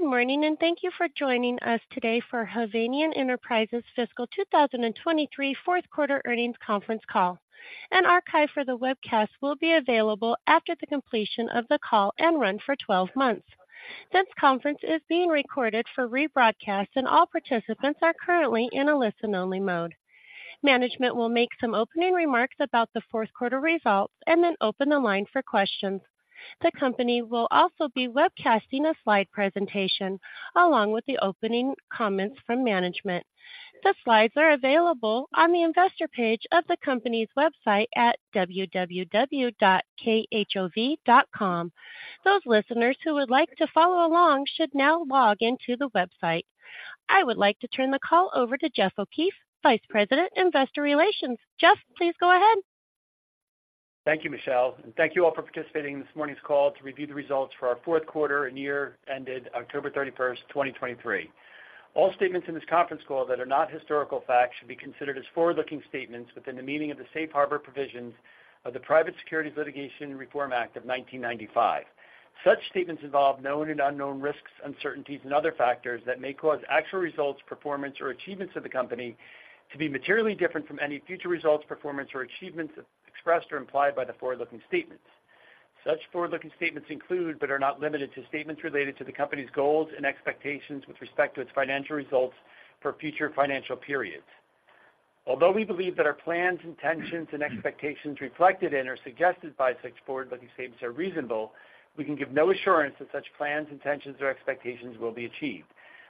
Good morning, and thank you for joining us today for Hovnanian Enterprises fiscal 2023 fourth quarter earnings conference call. An archive for the webcast will be available after the completion of the call and run for 12 months. This conference is being recorded for rebroadcast, and all participants are currently in a listen-only mode. Management will make some opening remarks about the fourth quarter results and then open the line for questions. The company will also be webcasting a slide presentation along with the opening comments from management. The slides are available on the investor page of the company's website at www.khov.com. Those listeners who would like to follow along should now log into the website. I would like to turn the call over to Jeff O'Keefe, Vice President, Investor Relations. Jeff, please go ahead. Thank you, Michelle, and thank you all for participating in this morning's call to review the results for our fourth quarter and year ended October 31st, 2023. All statements in this conference call that are not historical facts should be considered as forward-looking statements within the meaning of the Safe Harbor provisions of the Private Securities Litigation Reform Act of 1995. Such statements involve known and unknown risks, uncertainties, and other factors that may cause actual results, performance, or achievements of the Company to be materially different from any future results, performance, or achievements expressed or implied by the forward-looking statements. Such forward-looking statements include, but are not limited to, statements related to the Company's goals and expectations with respect to its financial results for future financial periods. Although we believe that our plans, intentions, and expectations reflected in or suggested by such forward-looking statements are reasonable, we can give no assurance that such plans, intentions, or expectations will be achieved.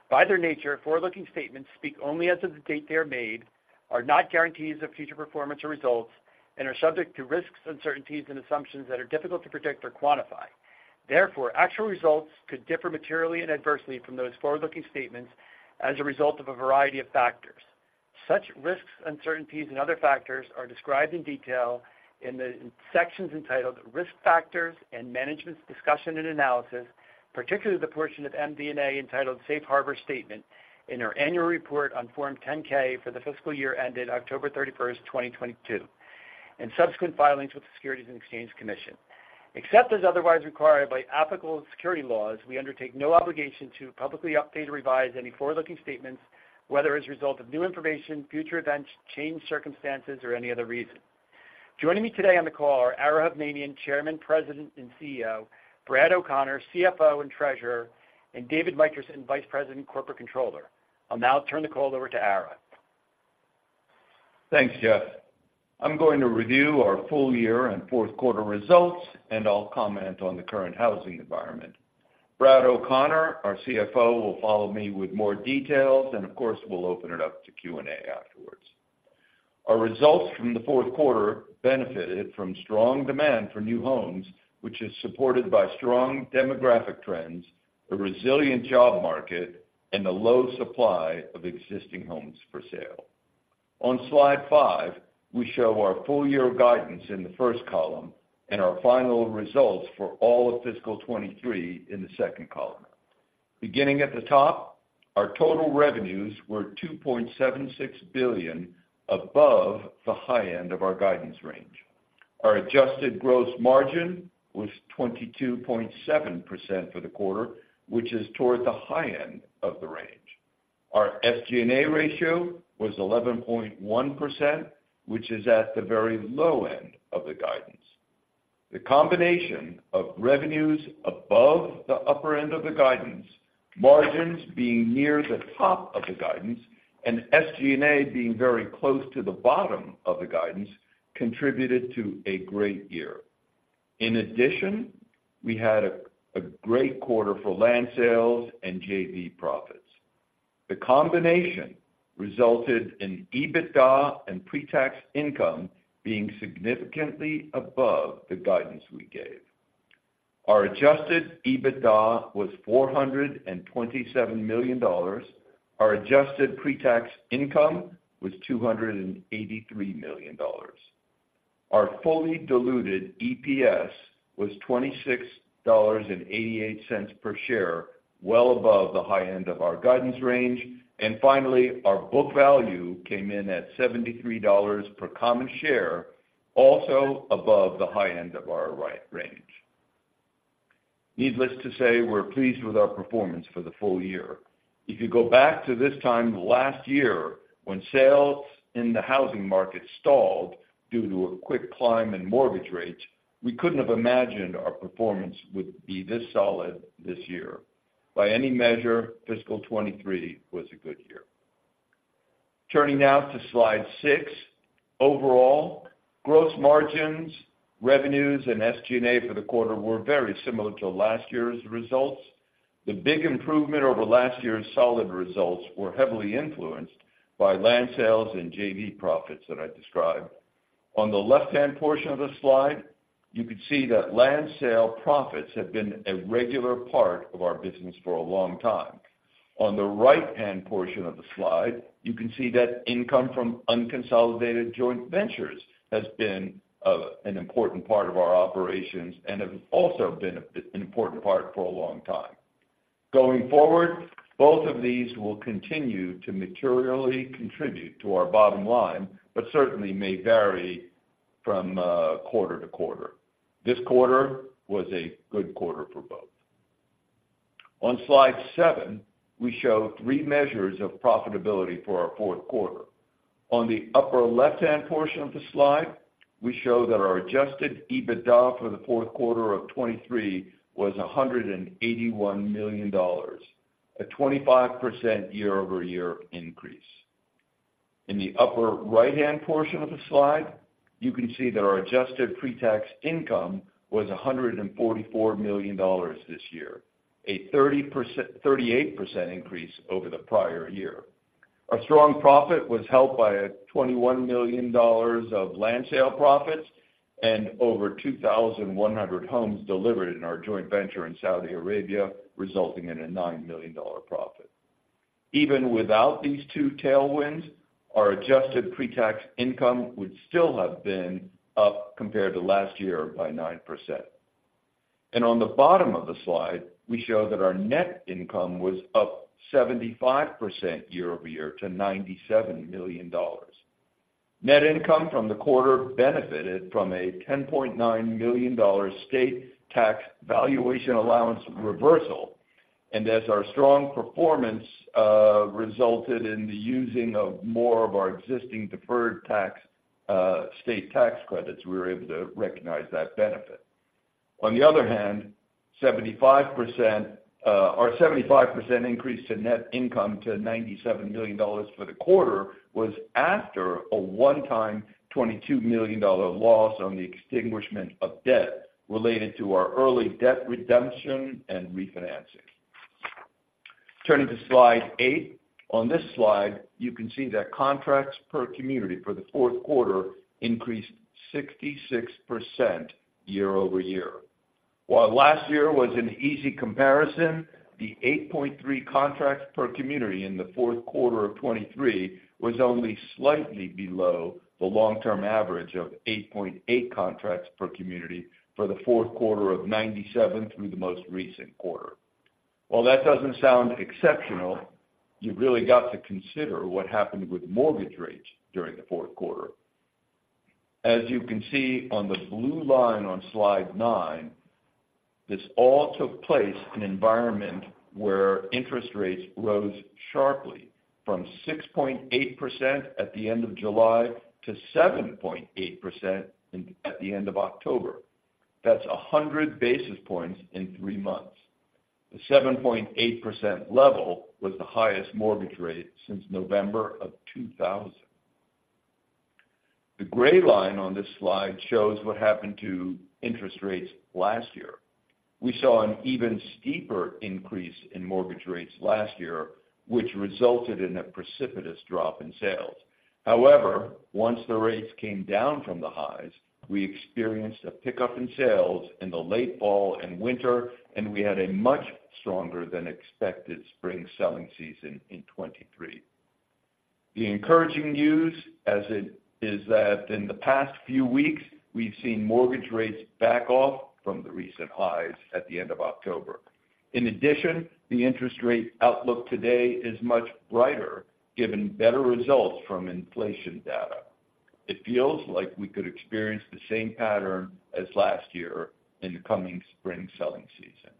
By their nature, forward-looking statements speak only as of the date they are made, are not guarantees of future performance or results, and are subject to risks, uncertainties, and assumptions that are difficult to predict or quantify. Therefore, actual results could differ materially and adversely from those forward-looking statements as a result of a variety of factors. Such risks, uncertainties, and other factors are described in detail in the sections entitled Risk Factors and Management's Discussion and Analysis, particularly the portion of MD&A entitled Safe Harbor Statement in our annual report on Form 10-K for the fiscal year ended October 31st, 2022, and subsequent filings with the Securities and Exchange Commission. Except as otherwise required by applicable securities laws, we undertake no obligation to publicly update or revise any forward-looking statements, whether as a result of new information, future events, changed circumstances, or any other reason. Joining me today on the call are Ara Hovnanian, Chairman, President, and CEO, Brad O'Connor, CFO, and Treasurer, and David Michaelson, Vice President, Corporate Controller. I'll now turn the call over to Ara. Thanks, Jeff. I'm going to review our full year and fourth quarter results, and I'll comment on the current housing environment. Brad O’Connor, our CFO, will follow me with more details, and of course, we'll open it up to Q&A afterwards. Our results from the fourth quarter benefited from strong demand for new homes, which is supported by strong demographic trends, a resilient job market, and a low supply of existing homes for sale. On slide five, we show our full-year guidance in the first column and our final results for all of fiscal 2023 in the second column. Beginning at the top, our total revenues were $2.76 billion above the high end of our guidance range. Our adjusted gross margin was 22.7% for the quarter, which is toward the high end of the range. Our SG&A ratio was 11.1%, which is at the very low end of the guidance. The combination of revenues above the upper end of the guidance, margins being near the top of the guidance, and SG&A being very close to the bottom of the guidance contributed to a great year. In addition, we had a great quarter for land sales and JV profits. The combination resulted in EBITDA and pre-tax income being significantly above the guidance we gave. Our adjusted EBITDA was $427 million. Our adjusted pre-tax income was $283 million. Our fully diluted EPS was $26.88 per share, well above the high end of our guidance range. And finally, our book value came in at $73 per common share, also above the high end of our guidance range. Needless to say, we're pleased with our performance for the full year. If you go back to this time last year, when sales in the housing market stalled due to a quick climb in mortgage rates, we couldn't have imagined our performance would be this solid this year. By any measure, fiscal 2023 was a good year. Turning now to slide six. Overall, gross margins, revenues, and SG&A for the quarter were very similar to last year's results. The big improvement over last year's solid results were heavily influenced by land sales and JV profits that I described. On the left-hand portion of the slide, you can see that land sale profits have been a regular part of our business for a long time. On the right-hand portion of the slide, you can see that income from unconsolidated joint ventures has been an important part of our operations and have also been an important part for a long time. Going forward, both of these will continue to materially contribute to our bottom line, but certainly may vary from quarter-to-quarter. This quarter was a good quarter for both. On slide seven, we show three measures of profitability for our fourth quarter. On the upper left-hand portion of the slide, we show that our Adjusted EBITDA for the fourth quarter of 2023 was $181 million, a 25% year-over-year increase. In the upper right-hand portion of the slide, you can see that our adjusted pre-tax income was $144 million this year, a 38% increase over the prior year. Our strong profit was helped by $21 million of land sale profits and over 2,100 homes delivered in our joint venture in Saudi Arabia, resulting in a $9 million profit. Even without these two tailwinds, our adjusted pre-tax income would still have been up compared to last year by 9%. On the bottom of the slide, we show that our net income was up 75% year-over-year to $97 million. Net income from the quarter benefited from a $10.9 million state tax valuation allowance reversal, and as our strong performance resulted in the using of more of our existing deferred tax state tax credits, we were able to recognize that benefit. On the other hand, 75%, our 75% increase to net income to $97 million for the quarter was after a one-time $22 million loss on the extinguishment of debt related to our early debt redemption and refinancing. Turning to Slide eight. On this slide, you can see that contracts per community for the fourth quarter increased 66% year-over-year. While last year was an easy comparison, the 8.3 contracts per community in the fourth quarter of 2023 was only slightly below the long-term average of 8.8 contracts per community for the fourth quarter of 1997 through the most recent quarter. While that doesn't sound exceptional, you've really got to consider what happened with mortgage rates during the fourth quarter. As you can see on the blue line on Slide nine, this all took place in an environment where interest rates rose sharply from 6.8% at the end of July to 7.8% at the end of October. That's 100 basis points in three months. The 7.8% level was the highest mortgage rate since November of 2000. The gray line on this slide shows what happened to interest rates last year. We saw an even steeper increase in mortgage rates last year, which resulted in a precipitous drop in sales. However, once the rates came down from the highs, we experienced a pickup in sales in the late fall and winter, and we had a much stronger than expected spring selling season in 2023. The encouraging news as it is that in the past few weeks, we've seen mortgage rates back off from the recent highs at the end of October. In addition, the interest rate outlook today is much brighter, given better results from inflation data. It feels like we could experience the same pattern as last year in the coming spring selling season.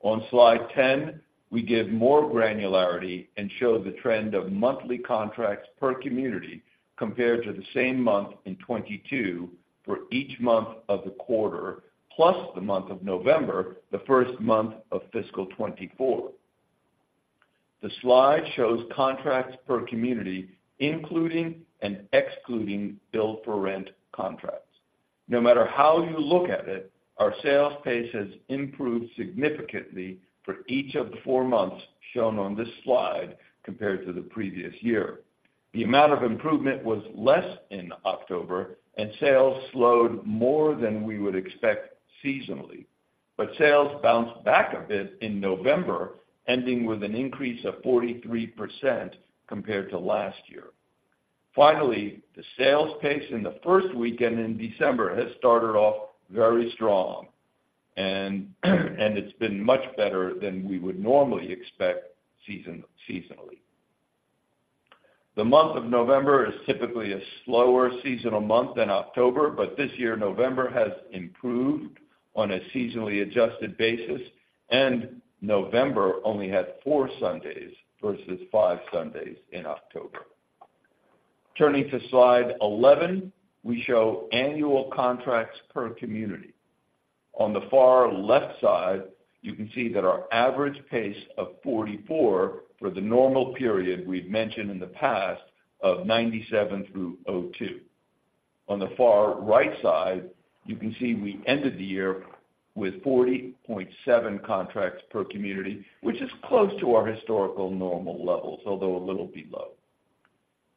On Slide 10, we give more granularity and show the trend of monthly contracts per community compared to the same month in 2022 for each month of the quarter, plus the month of November, the first month of fiscal 2024. The slide shows contracts per community, including and excluding build-for-rent contracts. No matter how you look at it, our sales pace has improved significantly for each of the four months shown on this slide compared to the previous year. The amount of improvement was less in October, and sales slowed more than we would expect seasonally. But sales bounced back a bit in November, ending with an increase of 43% compared to last year. Finally, the sales pace in the first weekend in December has started off very strong, and it's been much better than we would normally expect seasonally. The month of November is typically a slower seasonal month than October, but this year, November has improved on a seasonally adjusted basis, and November only had four Sundays versus five Sundays in October. Turning to Slide 11, we show annual contracts per community. On the far left side, you can see that our average pace of 44 for the normal period we've mentioned in the past of 1997 through 2002. On the far right side, you can see we ended the year with 40.7 contracts per community, which is close to our historical normal levels, although a little below.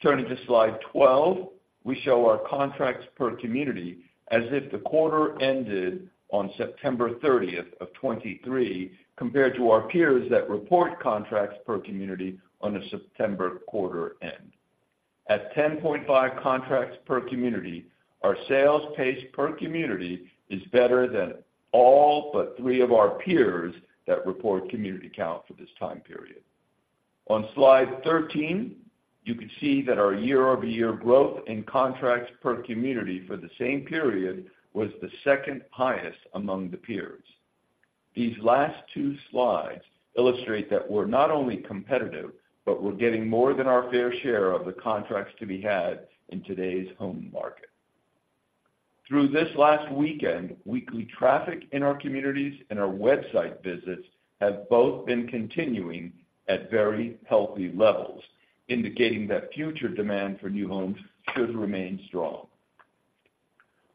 Turning to Slide 12, we show our contracts per community as if the quarter ended on September 30th, 2023, compared to our peers that report contracts per community on a September quarter end. At 10.5 contracts per community, our sales pace per community is better than all but three of our peers that report community count for this time period. On Slide 13, you can see that our year-over-year growth in contracts per community for the same period was the second highest among the peers. These last two slides illustrate that we're not only competitive, but we're getting more than our fair share of the contracts to be had in today's home market. Through this last weekend, weekly traffic in our communities and our website visits have both been continuing at very healthy levels, indicating that future demand for new homes should remain strong.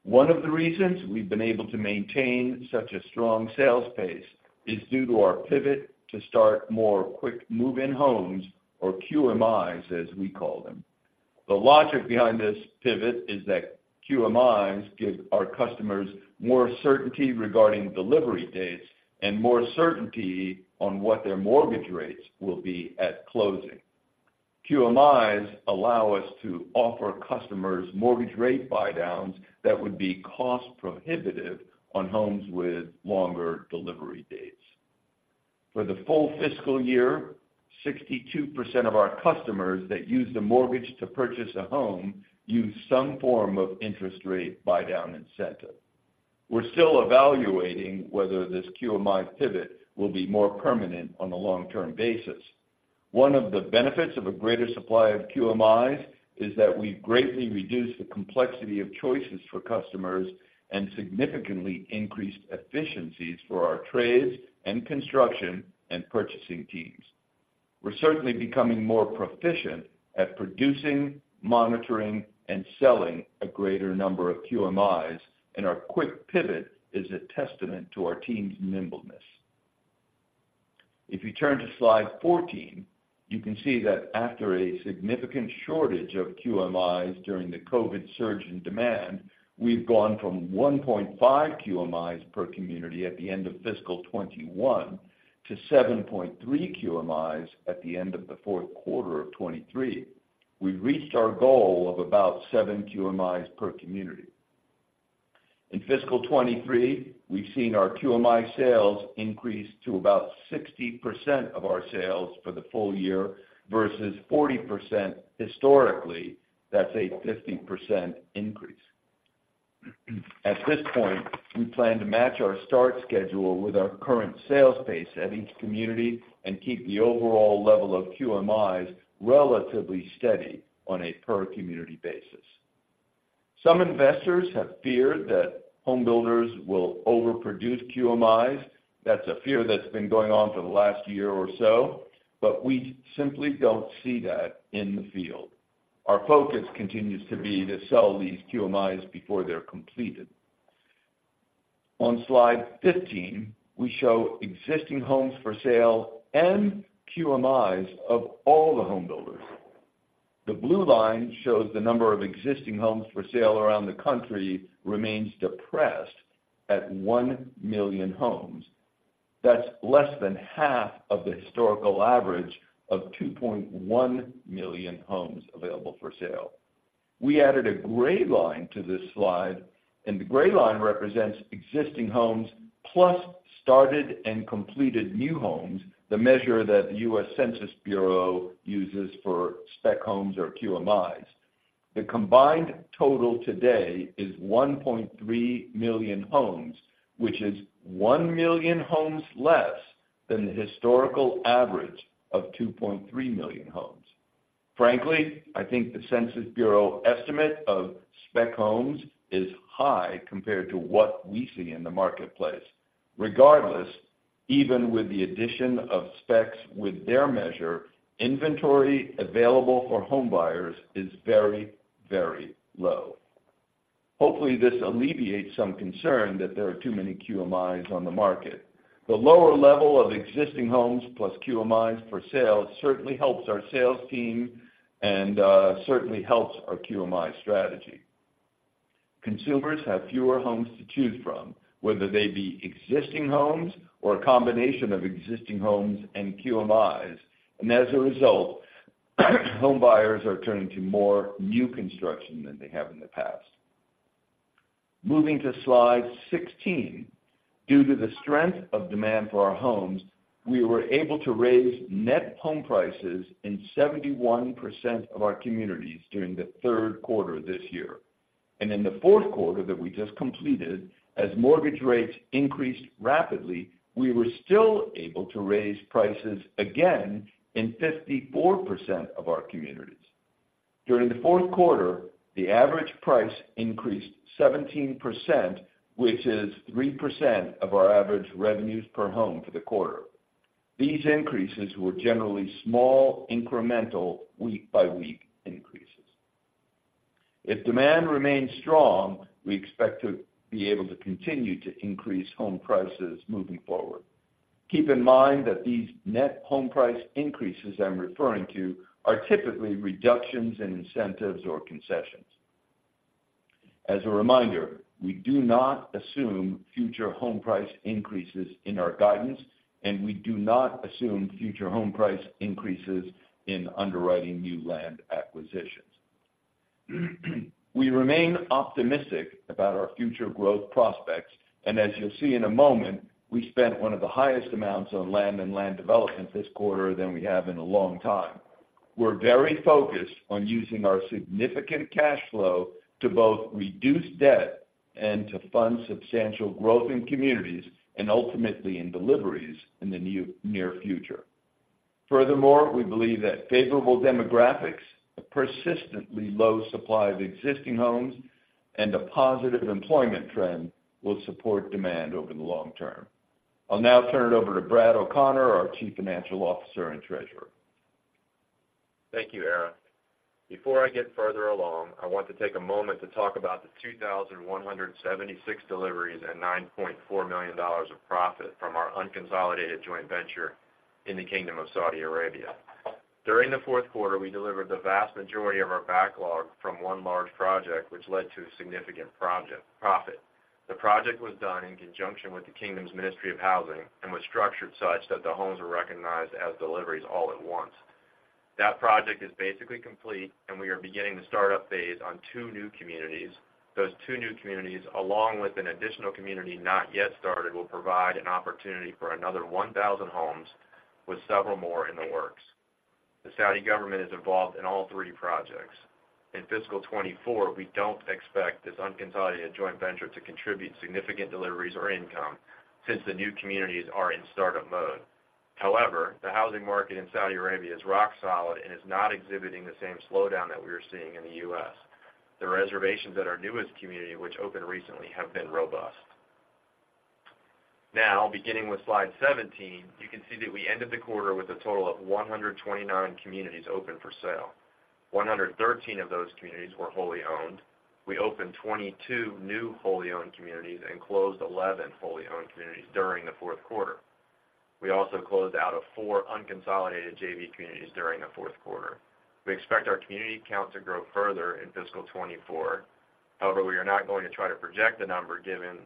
One of the reasons we've been able to maintain such a strong sales pace is due to our pivot to start more quick move-in homes, or QMIs, as we call them. The logic behind this pivot is that QMIs give our customers more certainty regarding delivery dates and more certainty on what their mortgage rates will be at closing. QMIs allow us to offer customers mortgage rate buydowns that would be cost-prohibitive on homes with longer delivery dates. For the full fiscal year, 62% of our customers that use the mortgage to purchase a home use some form of interest rate buydown incentive. We're still evaluating whether this QMI pivot will be more permanent on a long-term basis. One of the benefits of a greater supply of QMIs is that we've greatly reduced the complexity of choices for customers and significantly increased efficiencies for our trades and construction and purchasing teams. We're certainly becoming more proficient at producing, monitoring, and selling a greater number of QMIs, and our quick pivot is a testament to our team's nimbleness. If you turn to slide 14, you can see that after a significant shortage of QMIs during the COVID surge in demand, we've gone from 1.5 QMIs per community at the end of fiscal 2021 to 7.3 QMIs at the end of the fourth quarter of 2023. We've reached our goal of about seven QMIs per community. In fiscal 2023, we've seen our QMI sales increase to about 60% of our sales for the full year, versus 40% historically, that's a 50% increase. At this point, we plan to match our start schedule with our current sales pace at each community and keep the overall level of QMIs relatively steady on a per-community basis. Some investors have feared that homebuilders will overproduce QMIs. That's a fear that's been going on for the last year or so, but we simply don't see that in the field. Our focus continues to be to sell these QMIs before they're completed. On slide 15, we show existing homes for sale and QMIs of all the homebuilders. The blue line shows the number of existing homes for sale around the country remains depressed at 1 million homes. That's less than half of the historical average of 2.1 million homes available for sale. We added a gray line to this slide, and the gray line represents existing homes, plus started and completed new homes, the measure that the U.S. Census Bureau uses for spec homes or QMIs. The combined total today is 1.3 million homes, which is 1 million homes less than the historical average of 2.3 million homes. Frankly, I think the Census Bureau estimate of spec homes is high compared to what we see in the marketplace. Regardless, even with the addition of specs with their measure, inventory available for homebuyers is very, very low. Hopefully, this alleviates some concern that there are too many QMIs on the market. The lower level of existing homes plus QMIs for sale certainly helps our sales team and certainly helps our QMI strategy. Consumers have fewer homes to choose from, whether they be existing homes or a combination of existing homes and QMIs, and as a result, homebuyers are turning to more new construction than they have in the past. Moving to slide 16. Due to the strength of demand for our homes, we were able to raise net home prices in 71% of our communities during the third quarter of this year. In the fourth quarter that we just completed, as mortgage rates increased rapidly, we were still able to raise prices again in 54% of our communities. During the fourth quarter, the average price increased 17%, which is 3% of our average revenues per home for the quarter. These increases were generally small, incremental, week-by-week increases. If demand remains strong, we expect to be able to continue to increase home prices moving forward. Keep in mind that these net home price increases I'm referring to are typically reductions in incentives or concessions. As a reminder, we do not assume future home price increases in our guidance, and we do not assume future home price increases in underwriting new land acquisitions. We remain optimistic about our future growth prospects, and as you'll see in a moment, we spent one of the highest amounts on land and land development this quarter than we have in a long time. We're very focused on using our significant cash flow to both reduce debt and to fund substantial growth in communities and ultimately, in deliveries in the near future. Furthermore, we believe that favorable demographics, a persistently low supply of existing homes, and a positive employment trend will support demand over the long term. I'll now turn it over to Brad O'Connor, our Chief Financial Officer and Treasurer. Thank you, Ara. Before I get further along, I want to take a moment to talk about the 2,076 deliveries and $9.4 million of profit from our unconsolidated joint venture in the Kingdom of Saudi Arabia. During the fourth quarter, we delivered the vast majority of our backlog from one large project, which led to a significant project profit. The project was done in conjunction with the Kingdom's Ministry of Housing and was structured such that the homes were recognized as deliveries all at once. That project is basically complete, and we are beginning the start-up phase on two new communities. Those two new communities, along with an additional community not yet started, will provide an opportunity for another 1,000 homes, with several more in the works. The Saudi government is involved in all three projects. In fiscal 2024, we don't expect this unconsolidated joint venture to contribute significant deliveries or income since the new communities are in start-up mode. However, the housing market in Saudi Arabia is rock solid and is not exhibiting the same slowdown that we are seeing in the U.S. The reservations at our newest community, which opened recently, have been robust. Now, beginning with slide 17, you can see that we ended the quarter with a total of 129 communities open for sale. 113 of those communities were wholly owned. We opened 22 new wholly owned communities and closed 11 wholly owned communities during the fourth quarter. We also closed out of four unconsolidated JV communities during the fourth quarter. We expect our community count to grow further in fiscal 2024. However, we are not going to try to project the number, given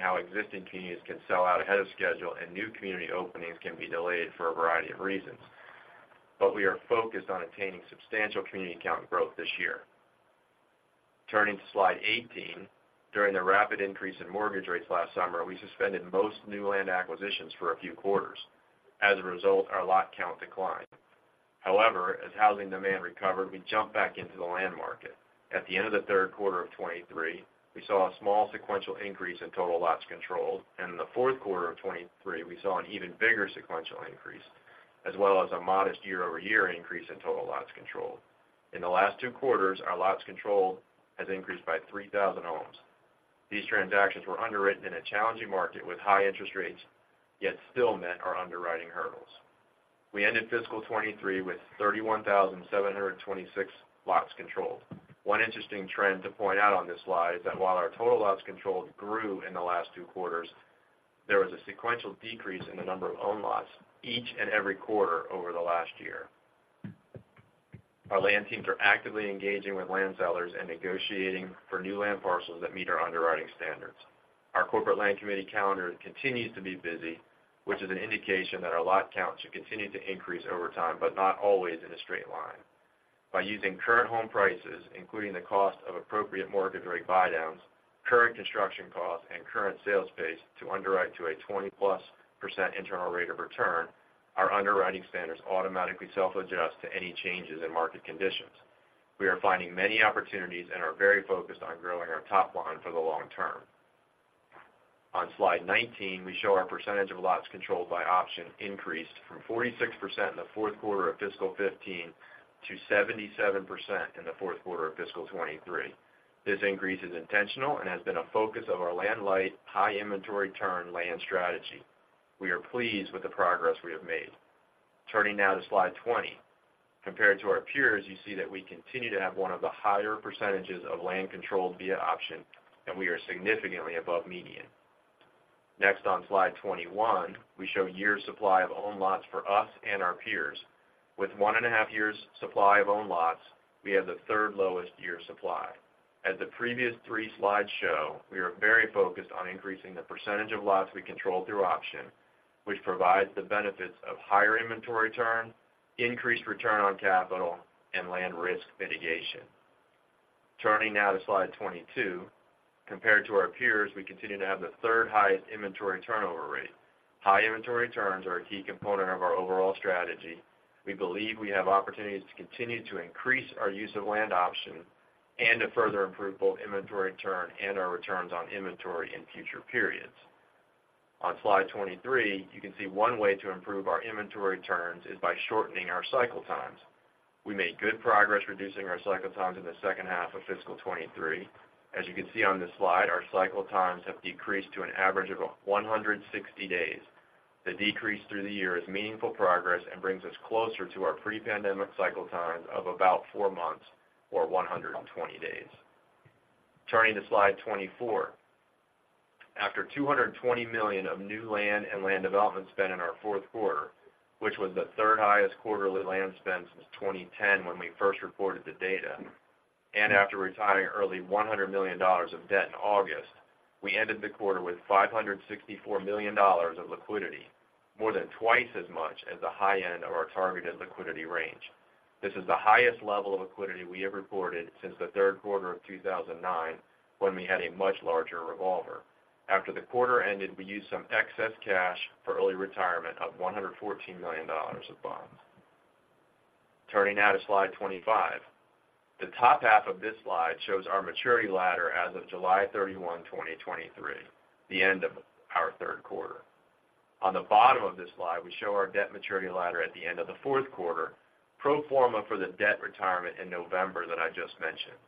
how existing communities can sell out ahead of schedule and new community openings can be delayed for a variety of reasons. But we are focused on attaining substantial community count growth this year. Turning to slide 18, during the rapid increase in mortgage rates last summer, we suspended most new land acquisitions for a few quarters. As a result, our lot count declined. However, as housing demand recovered, we jumped back into the land market. At the end of the third quarter of 2023, we saw a small sequential increase in total lots controlled, and in the fourth quarter of 2023, we saw an even bigger sequential increase, as well as a modest year-over-year increase in total lots controlled. In the last two quarters, our lots controlled has increased by 3,000 homes. These transactions were underwritten in a challenging market with high interest rates, yet still met our underwriting hurdles. We ended fiscal 2023 with 31,726 lots controlled. One interesting trend to point out on this slide is that while our total lots controlled grew in the last two quarters, there was a sequential decrease in the number of owned lots each and every quarter over the last year. Our land teams are actively engaging with land sellers and negotiating for new land parcels that meet our underwriting standards. Our corporate land committee calendar continues to be busy, which is an indication that our lot count should continue to increase over time, but not always in a straight line. By using current home prices, including the cost of appropriate mortgage rate buydowns, current construction costs, and current sales pace to underwrite to a 20%+ internal rate of return, our underwriting standards automatically self-adjust to any changes in market conditions. We are finding many opportunities and are very focused on growing our top line for the long term. On slide 19, we show our percentage of lots controlled by option increased from 46% in the fourth quarter of fiscal 2015 to 77% in the fourth quarter of fiscal 2023. This increase is intentional and has been a focus of our land-light, high inventory turn land strategy. We are pleased with the progress we have made. Turning now to slide 20. Compared to our peers, you see that we continue to have one of the higher percentages of land controlled via option, and we are significantly above median. Next, on slide 21, we show year supply of owned lots for us and our peers. With 1.5 years supply of owned lots, we have the third lowest year supply. As the previous three slides show, we are very focused on increasing the percentage of lots we control through option, which provides the benefits of higher inventory turn, increased return on capital, and land risk mitigation. Turning now to slide 22. Compared to our peers, we continue to have the third highest inventory turnover rate. High inventory turns are a key component of our overall strategy. We believe we have opportunities to continue to increase our use of land option and to further improve both inventory turn and our returns on inventory in future periods. On slide 23, you can see one way to improve our inventory turns is by shortening our cycle times. We made good progress reducing our cycle times in the second half of fiscal 2023. As you can see on this slide, our cycle times have decreased to an average of 160 days. The decrease through the year is meaningful progress and brings us closer to our pre-pandemic cycle time of about four months or 120 days. Turning to slide 24. After $220 million of new land and land development spent in our fourth quarter, which was the 3rd highest quarterly land spend since 2010, when we first reported the data, and after retiring early $100 million of debt in August, we ended the quarter with $564 million of liquidity... more than twice as much as the high end of our targeted liquidity range. This is the highest level of liquidity we have reported since the third quarter of 2009, when we had a much larger revolver. After the quarter ended, we used some excess cash for early retirement of $114 million of bonds. Turning now to slide 25. The top half of this slide shows our maturity ladder as of July 31, 2023, the end of our third quarter. On the bottom of this slide, we show our debt maturity ladder at the end of the fourth quarter, pro forma for the debt retirement in November that I just mentioned.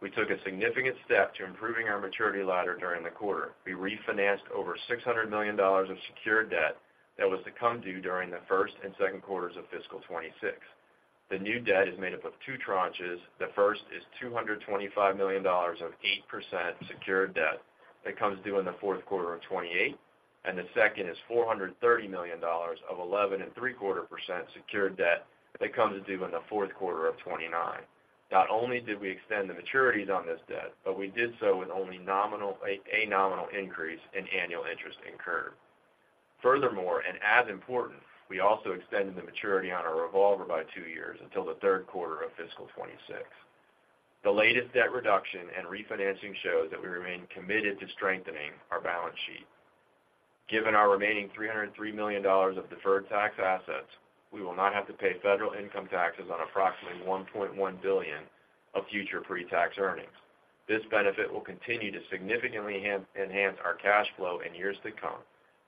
We took a significant step to improving our maturity ladder during the quarter. We refinanced over $600 million of secured debt that was to come due during the first and second quarters of fiscal 2026. The new debt is made up of two tranches. The first is $225 million of 8% secured debt that comes due in the fourth quarter of 2028, and the second is $430 million of 11.75% secured debt that comes due in the fourth quarter of 2029. Not only did we extend the maturities on this debt, but we did so with only a nominal increase in annual interest incurred. Furthermore, and as important, we also extended the maturity on our revolver by two years until the third quarter of fiscal 2026. The latest debt reduction and refinancing shows that we remain committed to strengthening our balance sheet. Given our remaining $303 million of deferred tax assets, we will not have to pay federal income taxes on approximately $1.1 billion of future pre-tax earnings. This benefit will continue to significantly enhance our cash flow in years to come,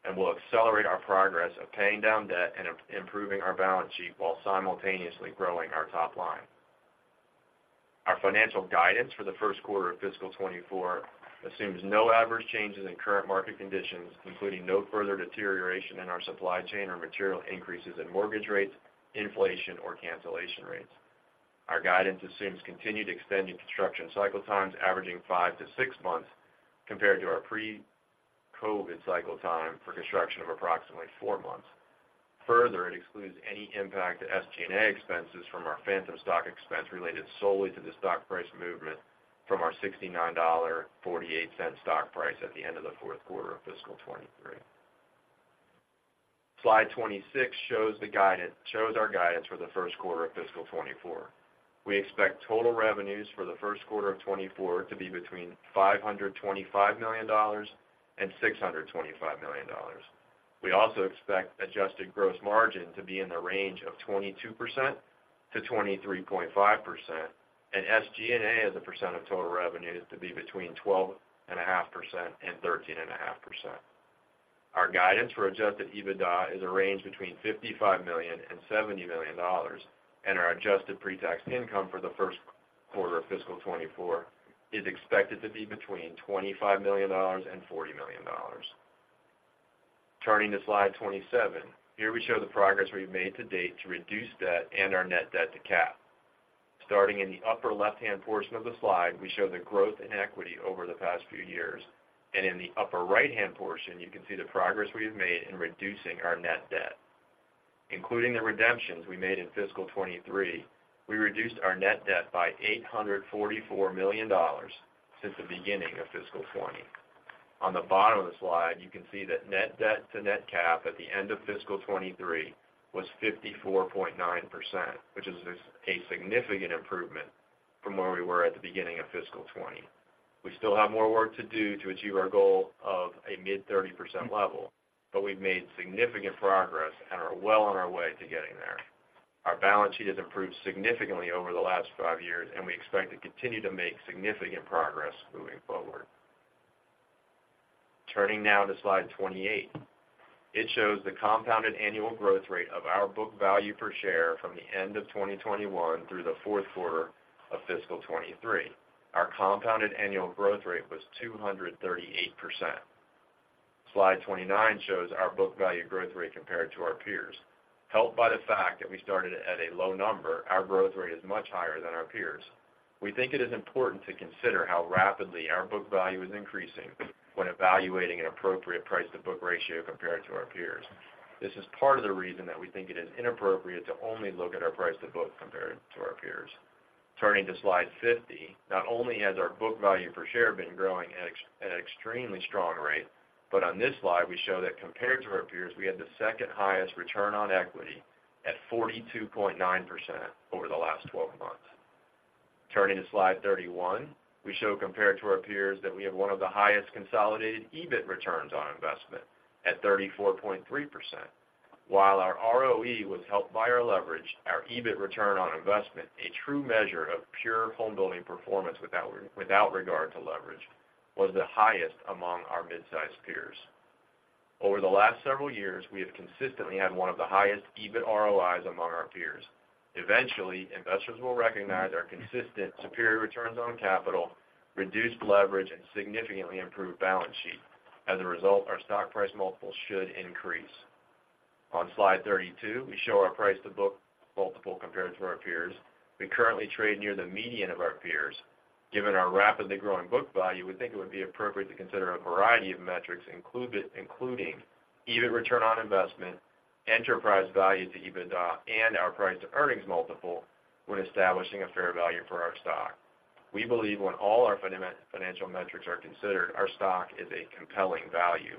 and will accelerate our progress of paying down debt and improving our balance sheet while simultaneously growing our top line. Our financial guidance for the first quarter of fiscal 2024 assumes no adverse changes in current market conditions, including no further deterioration in our supply chain or material increases in mortgage rates, inflation, or cancellation rates. Our guidance assumes continued extended construction cycle times averaging 5 months-6 months, compared to our pre-COVID cycle time for construction of approximately four months. Further, it excludes any impact to SG&A expenses from our phantom stock expense related solely to the stock price movement from our $69.48 stock price at the end of the fourth quarter of fiscal 2023. Slide 26 shows our guidance for the first quarter of fiscal 2024. We expect total revenues for the first quarter of 2024 to be between $525 million and $625 million. We also expect Adjusted Gross Margin to be in the range of 22%-23.5%, and SG&A as a percent of total revenue to be between 12.5% and 13.5%. Our guidance for Adjusted EBITDA is a range between $55 million and $70 million, and our adjusted pre-tax income for the first quarter of fiscal 2024 is expected to be between $25 million and $40 million. Turning to slide 27. Here we show the progress we've made to date to reduce debt and our net debt to net cap. Starting in the upper left-hand portion of the slide, we show the growth in equity over the past few years, and in the upper right-hand portion, you can see the progress we have made in reducing our net debt. Including the redemptions we made in fiscal 2023, we reduced our net debt by $844 million since the beginning of fiscal 2020. On the bottom of the slide, you can see that net debt to net cap at the end of fiscal 2023 was 54.9%, which is a significant improvement from where we were at the beginning of fiscal 2020. We still have more work to do to achieve our goal of a mid-30% level, but we've made significant progress and are well on our way to getting there. Our balance sheet has improved significantly over the last five years, and we expect to continue to make significant progress moving forward. Turning now to slide 28. It shows the compounded annual growth rate of our book value per share from the end of 2021 through the fourth quarter of fiscal 2023. Our compounded annual growth rate was 238%. Slide 29 shows our book value growth rate compared to our peers. Helped by the fact that we started at a low number, our growth rate is much higher than our peers. We think it is important to consider how rapidly our book value is increasing when evaluating an appropriate price-to-book ratio compared to our peers. This is part of the reason that we think it is inappropriate to only look at our price-to-book compared to our peers. Turning to slide 30, not only has our book value per share been growing at at an extremely strong rate, but on this slide, we show that compared to our peers, we had the second highest return on equity at 42.9% over the last 12 months. Turning to slide 31, we show, compared to our peers, that we have one of the highest consolidated EBIT returns on investment at 34.3%. While our ROE was helped by our leverage, our EBIT return on investment, a true measure of pure home building performance without regard to leverage, was the highest among our mid-sized peers. Over the last several years, we have consistently had one of the highest EBIT ROIs among our peers. Eventually, investors will recognize our consistent superior returns on capital, reduced leverage, and significantly improved balance sheet. As a result, our stock price multiple should increase. On slide 32, we show our price-to-book multiple compared to our peers. We currently trade near the median of our peers. Given our rapidly growing book value, we think it would be appropriate to consider a variety of metrics, including EBIT return on investment, enterprise value to EBITDA, and our price-to-earnings multiple when establishing a fair value for our stock. We believe when all our financial metrics are considered, our stock is a compelling value.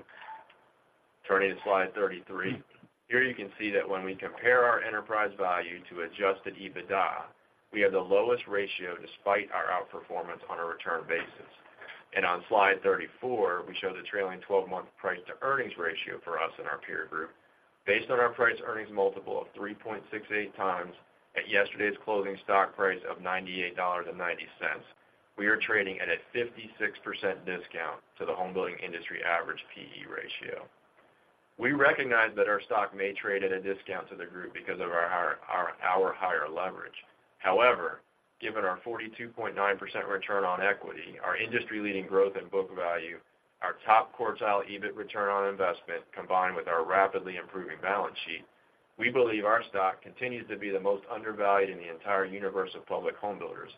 Turning to slide 33, here you can see that when we compare our enterprise value to Adjusted EBITDA, we have the lowest ratio despite our outperformance on a return basis. On slide 34, we show the trailing twelve-month price-to-earnings ratio for us and our peer group. Based on our price-earnings multiple of 3.68x at yesterday's closing stock price of $98.90, we are trading at a 56% discount to the home building industry average PE ratio. We recognize that our stock may trade at a discount to the group because of our higher leverage. However, given our 42.9% return on equity, our industry-leading growth in book value, our top-quartile EBIT return on investment, combined with our rapidly improving balance sheet, we believe our stock continues to be the most undervalued in the entire universe of public home builders.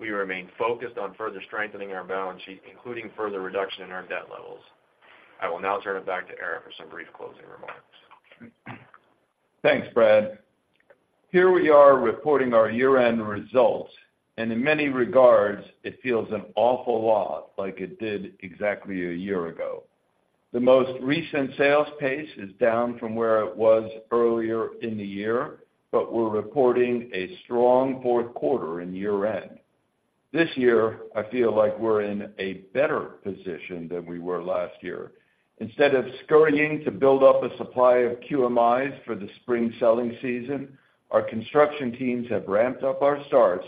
We remain focused on further strengthening our balance sheet, including further reduction in our debt levels. I will now turn it back to Ara for some brief closing remarks. Thanks, Brad. Here we are reporting our year-end results, and in many regards, it feels an awful lot like it did exactly a year ago. The most recent sales pace is down from where it was earlier in the year, but we're reporting a strong fourth quarter and year-end. This year, I feel like we're in a better position than we were last year. Instead of scurrying to build up a supply of QMIs for the spring selling season, our construction teams have ramped up our starts,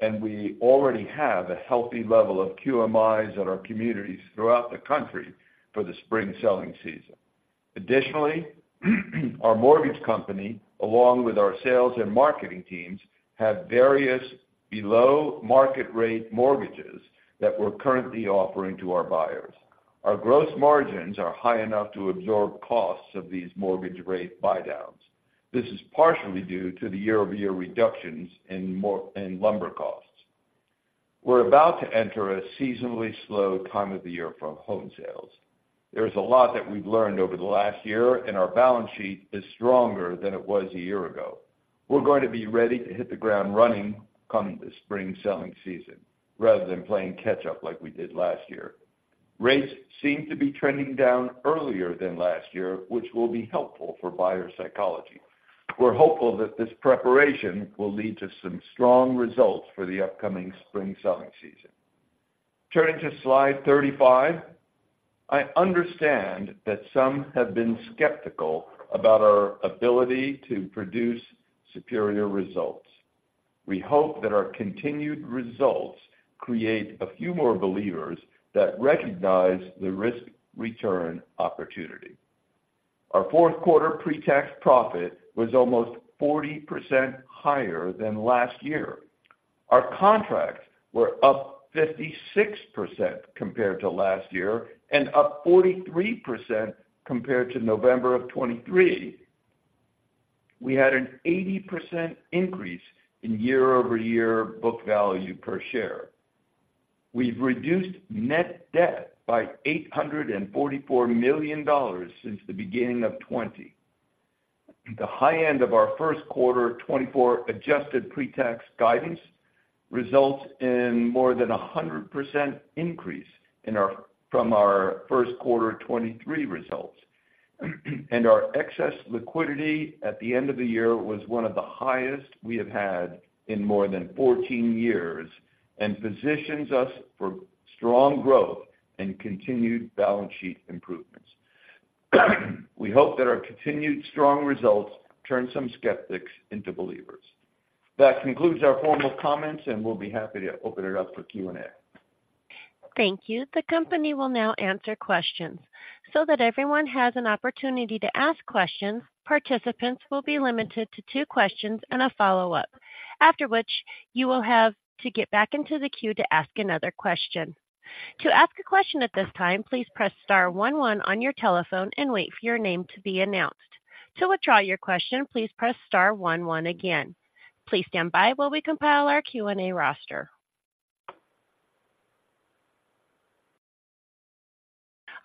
and we already have a healthy level of QMIs at our communities throughout the country for the spring selling season. Additionally, our mortgage company, along with our sales and marketing teams, have various below-market-rate mortgages that we're currently offering to our buyers. Our gross margins are high enough to absorb costs of these mortgage rate buydowns. This is partially due to the year-over-year reductions in lumber costs. We're about to enter a seasonally slow time of the year for home sales. There's a lot that we've learned over the last year, and our balance sheet is stronger than it was a year ago. We're going to be ready to hit the ground running come the spring selling season, rather than playing catch-up like we did last year. Rates seem to be trending down earlier than last year, which will be helpful for buyer psychology. We're hopeful that this preparation will lead to some strong results for the upcoming spring selling season. Turning to slide 35, I understand that some have been skeptical about our ability to produce superior results. We hope that our continued results create a few more believers that recognize the risk-return opportunity. Our fourth quarter pretax profit was almost 40% higher than last year. Our contracts were up 56% compared to last year and up 43% compared to November of 2023. We had an 80% increase in year-over-year book value per share. We've reduced net debt by $844 million since the beginning of 2020. The high end of our first quarter 2024 adjusted pretax guidance results in more than 100% increase from our first quarter 2023 results. Our excess liquidity at the end of the year was one of the highest we have had in more than 14 years and positions us for strong growth and continued balance sheet improvements. We hope that our continued strong results turn some skeptics into believers. That concludes our formal comments, and we'll be happy to open it up for Q&A. Thank you. The company will now answer questions. So that everyone has an opportunity to ask questions, participants will be limited to two questions and a follow-up, after which you will have to get back into the queue to ask another question. To ask a question at this time, please press star one one on your telephone and wait for your name to be announced. To withdraw your question, please press star one one again. Please stand by while we compile our Q&A roster.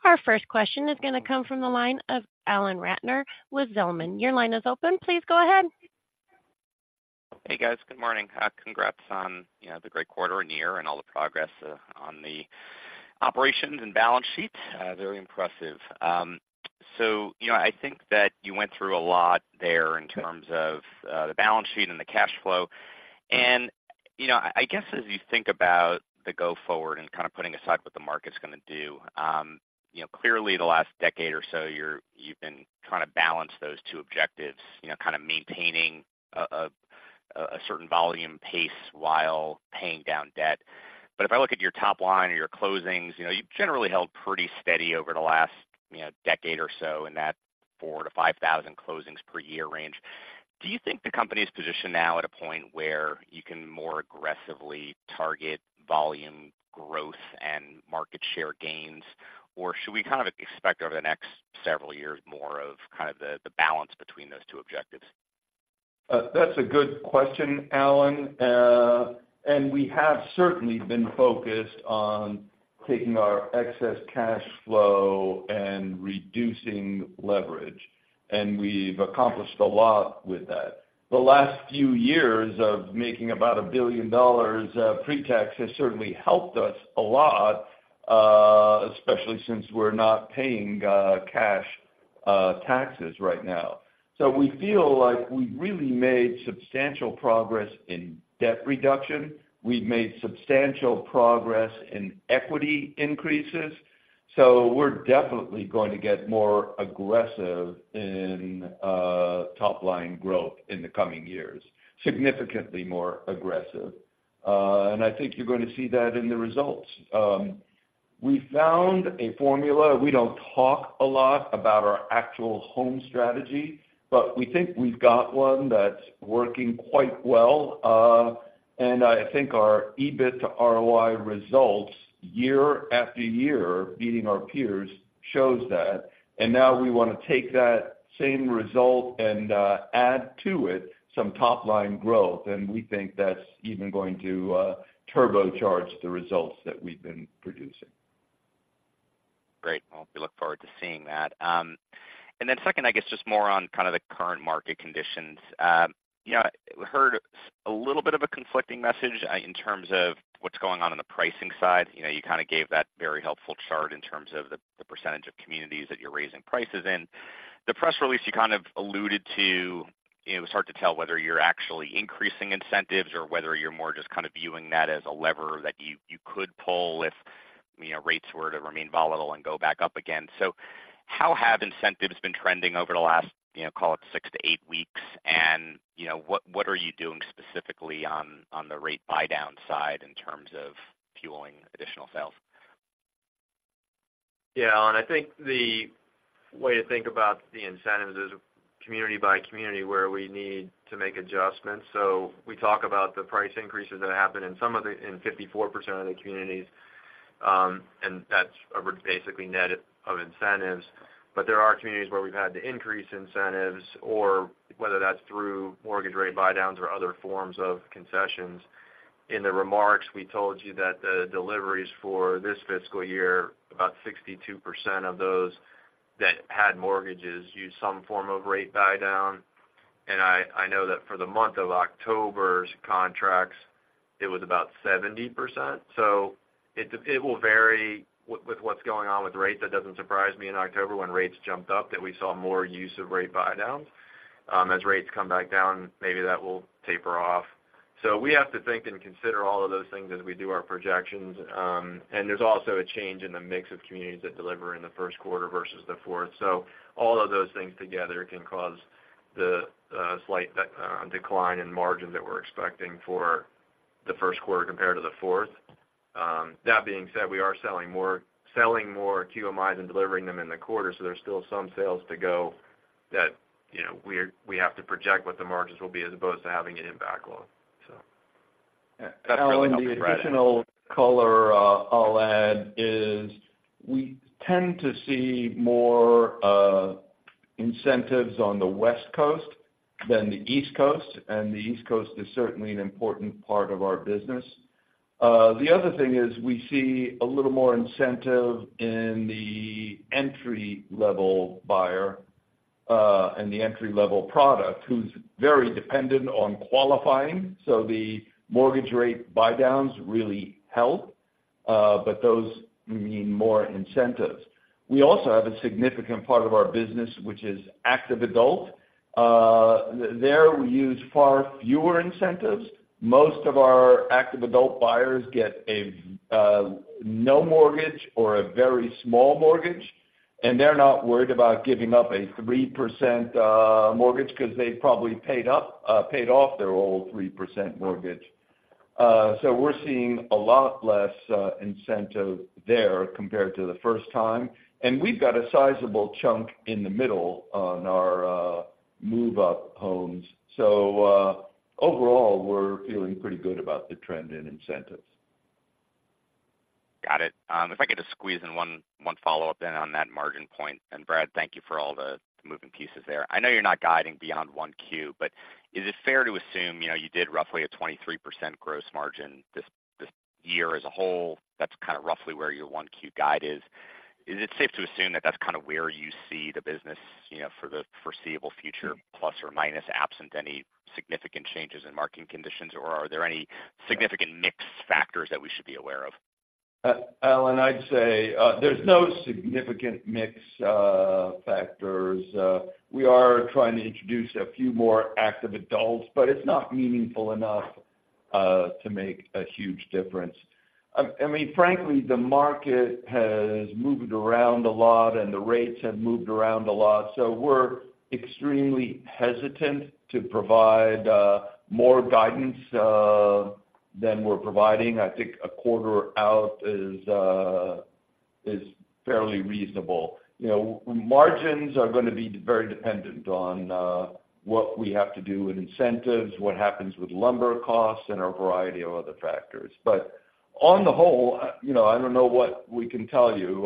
Our first question is going to come from the line of Alan Ratner with Zelman. Your line is open. Please go ahead. Hey, guys. Good morning. Congrats on, you know, the great quarter and year and all the progress on the operations and balance sheet. Very impressive. So, you know, I think that you went through a lot there in terms of the balance sheet and the cash flow. And, you know, I guess, as you think about the go-forward and kind of putting aside what the market's going to do, you know, clearly, the last decade or so, you've been trying to balance those two objectives, you know, kind of maintaining a certain volume pace while paying down debt. But if I look at your top line or your closings, you know, you've generally held pretty steady over the last, you know, decade or so in that 4,000-5,000 closings per year range. Do you think the company is positioned now at a point where you can more aggressively target volume growth and market share gains? Or should we kind of expect over the next several years, more of kind of the balance between those two objectives? That's a good question, Alan. And we have certainly been focused on taking our excess cash flow and reducing leverage... and we've accomplished a lot with that. The last few years of making about $1 billion pre-tax has certainly helped us a lot, especially since we're not paying cash taxes right now. So we feel like we've really made substantial progress in debt reduction. We've made substantial progress in equity increases, so we're definitely going to get more aggressive in top line growth in the coming years, significantly more aggressive. And I think you're going to see that in the results. We found a formula. We don't talk a lot about our actual home strategy, but we think we've got one that's working quite well. I think our EBIT ROI results, year after year, beating our peers, shows that. Now we wanna take that same result and add to it some top line growth, and we think that's even going to turbocharge the results that we've been producing. Great. Well, we look forward to seeing that. And then second, I guess, just more on kind of the current market conditions. You know, I heard a little bit of a conflicting message in terms of what's going on in the pricing side. You know, you kind of gave that very helpful chart in terms of the percentage of communities that you're raising prices in. The press release, you kind of alluded to, you know, it's hard to tell whether you're actually increasing incentives or whether you're more just kind of viewing that as a lever that you could pull if, you know, rates were to remain volatile and go back up again. So how have incentives been trending over the last, you know, call it 6 weeks-8 weeks? You know, what are you doing specifically on the rate buy down side in terms of fueling additional sales? Yeah, and I think the way to think about the incentives is community by community, where we need to make adjustments. So we talk about the price increases that happened in 54% of the communities, and that's basically net of incentives. But there are communities where we've had to increase incentives or whether that's through mortgage rate buydowns or other forms of concessions. In the remarks, we told you that the deliveries for this fiscal year, about 62% of those that had mortgages, use some form of rate buydown, and I, I know that for the month of October's contracts, it was about 70%. So it, it will vary with, with what's going on with rates. That doesn't surprise me in October when rates jumped up, that we saw more use of rate buydowns. As rates come back down, maybe that will taper off. So we have to think and consider all of those things as we do our projections, and there's also a change in the mix of communities that deliver in the first quarter versus the fourth. So all of those things together can cause the slight decline in margin that we're expecting for the first quarter compared to the fourth. That being said, we are selling more, selling more QMIs and delivering them in the quarter, so there's still some sales to go that, you know, we're, we have to project what the margins will be as opposed to having it in backlog. So... The additional color, I'll add, is we tend to see more, incentives on the West Coast than the East Coast, and the East Coast is certainly an important part of our business. The other thing is we see a little more incentive in the entry-level buyer, and the entry-level product, who's very dependent on qualifying, so the mortgage rate buydowns really help, but those mean more incentives. We also have a significant part of our business, which is active adult. There, we use far fewer incentives. Most of our active adult buyers get a, no mortgage or a very small mortgage, and they're not worried about giving up a 3%, mortgage because they probably paid off their old 3% mortgage. So we're seeing a lot less incentive there compared to the first time, and we've got a sizable chunk in the middle on our move-up homes. So overall, we're feeling pretty good about the trend in incentives. Got it. If I could just squeeze in one, one follow-up then on that margin point, and Brad, thank you for all the moving pieces there. I know you're not guiding beyond one Q, but is it fair to assume, you know, you did roughly a 23% gross margin this year as a whole. That's kind of roughly where your one Q guide is. Is it safe to assume that that's kind of where you see the business, you know, for the foreseeable future, plus or minus, absent any significant changes in market conditions? Or are there any significant mix factors that we should be aware of? Alan, I'd say, there's no significant mix factors. We are trying to introduce a few more active adults, but it's not meaningful enough to make a huge difference. I mean, frankly, the market has moved around a lot, and the rates have moved around a lot, so we're extremely hesitant to provide more guidance than we're providing. I think a quarter out is fairly reasonable. You know, margins are gonna be very dependent on what we have to do with incentives, what happens with lumber costs, and a variety of other factors. But on the whole, you know, I don't know what we can tell you.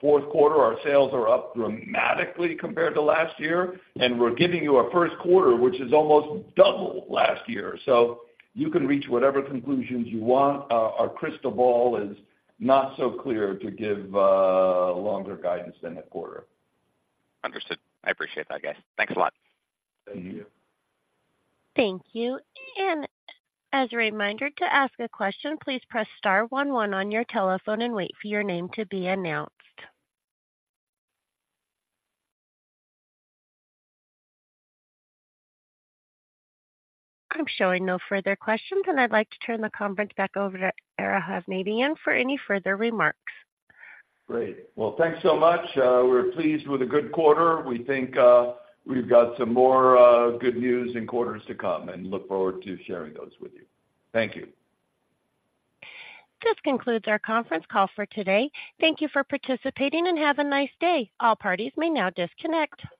Fourth quarter, our sales are up dramatically compared to last year, and we're giving you a first quarter, which is almost double last year. So you can reach whatever conclusions you want. Our crystal ball is not so clear to give longer guidance than a quarter. Understood. I appreciate that, guys. Thanks a lot. Thank you. Thank you. As a reminder, to ask a question, please press star one one on your telephone and wait for your name to be announced. I'm showing no further questions, and I'd like to turn the conference back over to Ara Hovnanian for any further remarks. Great. Well, thanks so much. We're pleased with a good quarter. We think, we've got some more, good news in quarters to come and look forward to sharing those with you. Thank you. This concludes our conference call for today. Thank you for participating, and have a nice day. All parties may now disconnect.